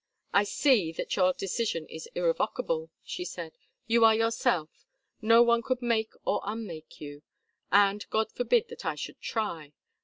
"I see that your decision is irrevocable," she said. "You are yourself; no one could make or unmake you, and God forbid that I should try.